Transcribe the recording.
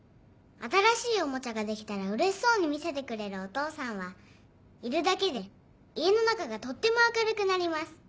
新しいおもちゃができたらうれしそうに見せてくれるお父さんはいるだけで家の中がとっても明るくなります。